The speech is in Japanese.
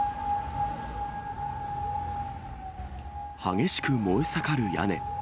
激しく燃え盛る屋根。